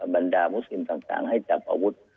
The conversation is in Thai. บรรดามุสินต่างให้จับอาวุธ